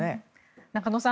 中野さん